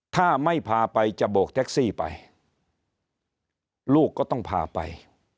ถ้าไม่พาไปจะโบกแท็กซี่ไปลูกก็ต้องพาไป